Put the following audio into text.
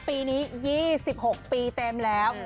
ปีนี้๒๖ปีเต็มแล้ว